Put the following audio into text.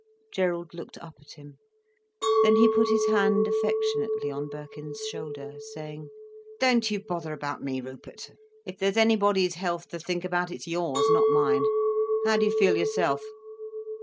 Gerald looked up at him. Then he put his hand affectionately on Birkin's shoulder, saying: "Don't you bother about me, Rupert. If there's anybody's health to think about, it's yours, not mine. How do you feel yourself?"